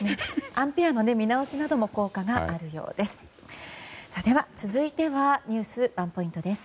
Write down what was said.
アンペアの見直しなども効果があるようです。